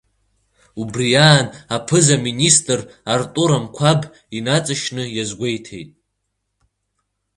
Убри аан, аԥыза-министр Артур Амқәаб инаҵшьны иазгәеиҭеит…